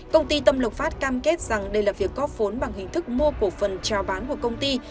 công ty tâm lộc phát cam kết rằng đây là việc góp vốn bằng hình thức mua cổ phần trao bán của công ty